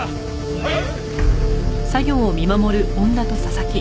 はい！